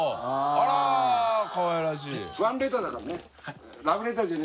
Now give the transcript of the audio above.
あらかわいらしい。